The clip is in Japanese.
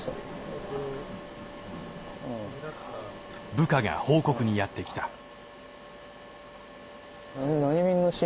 部下が報告にやって来たハハハ。